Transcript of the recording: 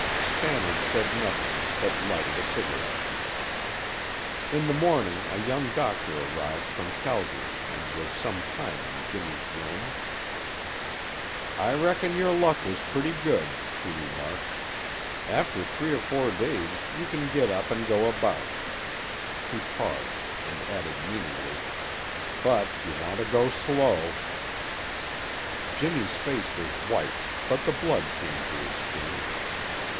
Stannard said nothing, but lighted a cigarette. In the morning a young doctor arrived from Calgary and was some time in Jimmy's room. "I reckon your luck was pretty good," he remarked. "After three or four days you can get up and go about " He paused and added meaningly: "But you want to go slow." Jimmy's face was white, but the blood came to his skin.